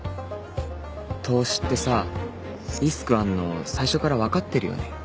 投資ってさリスクあるの最初からわかってるよね？